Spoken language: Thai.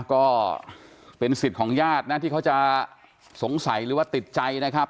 ก็เป็นสิทธิ์ของญาตินะที่เขาจะสงสัยหรือว่าติดใจนะครับ